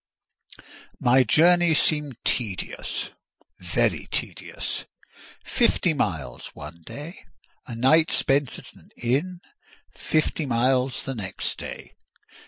My journey seemed tedious—very tedious: fifty miles one day, a night spent at an inn; fifty miles the next day.